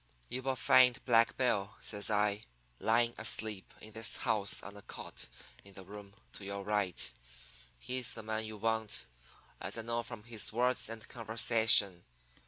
You will find Black Bill,' says I, 'lying asleep in this house on a cot in the room to your right. He's the man you want, as I know from his words and conversation.